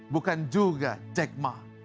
bukanlah jack ma